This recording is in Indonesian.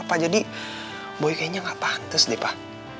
pak jadi boy kayaknya gak pantes deh pak